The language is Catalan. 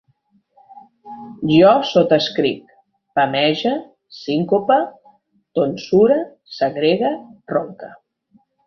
Jo sotaescric, pamege, sincope, tonsure, segregue, ronque